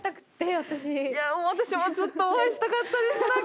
私もずっとお会いしたかったです。